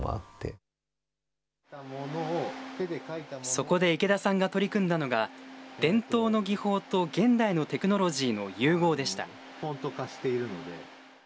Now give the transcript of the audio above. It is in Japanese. そこで池田さんが取り組んだのが、伝統の技法と現代のテクノロジーの融合でした。